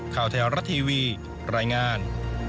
คราวไทยรัตน์ทีวีรายงาน